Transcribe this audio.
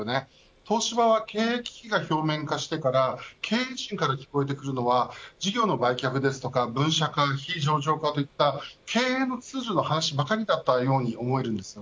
東芝は経営危機が表面化してから経営陣から聞こえてくるのは事業の売却ですとか分社化非上場化といった経営のツールな話ばかりだったように思えるんです。